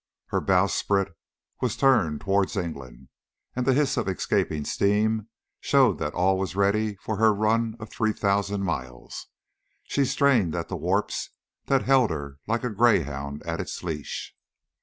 Her bowsprit was turned towards England, and the hiss of escaping steam showed that all was ready for her run of three thousand miles. She strained at the warps that held her like a greyhound at its leash.